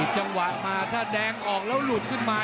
จังหวะมาถ้าแดงออกแล้วหลุดขึ้นมา